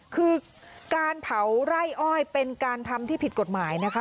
คือการเผาไร่อ้อยเป็นการทำที่ผิดกฎหมายนะคะ